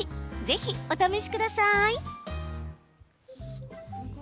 ぜひ、お試しください。